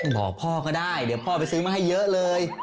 บอกพ่อก็ได้เดี๋ยวพ่อไปซื้อมาให้เยอะเลย